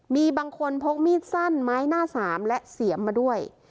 มีบางคนพกมีดสั้นไม้หน้าสามและเสียมมาด้วย